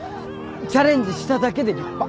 チャレンジしただけで立派。